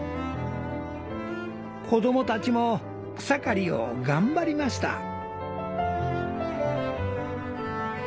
子供たちも草刈りを頑張りました。